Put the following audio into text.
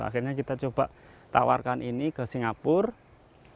akhirnya kita coba tawarkan ini ke singapura